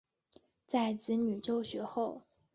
在子女就学后